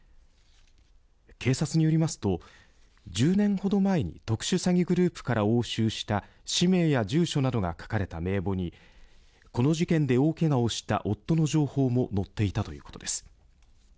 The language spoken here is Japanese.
警察によりますと１０年ほど前に特殊詐欺グループから押収した氏名や住所などが書かれた名簿にこの事件で大けがをした夫の情報も載っていたということです。